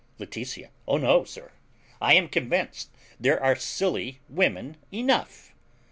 Laetitia. O no, sir; I am convinced there are silly women enough.